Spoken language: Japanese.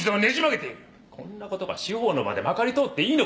こんなことが司法の場でまかり通っていいのか？